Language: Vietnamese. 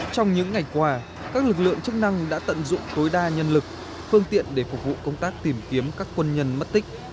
trong những ngày qua các lực lượng chức năng đã tận dụng tối đa nhân lực phương tiện để phục vụ công tác tìm kiếm các quân nhân mất tích